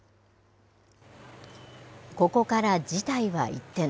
ここから事態は一転。